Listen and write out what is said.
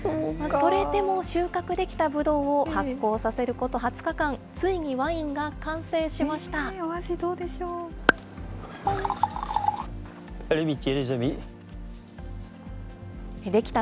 それでも収穫できたぶどうを発酵させること２０日間、ついにワインが完成しました。